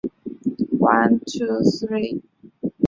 她在美国马里兰州巴尔的摩的市郊塞文。